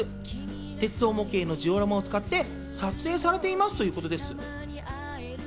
鉄道模型のジオラマを使って作成されていますということです。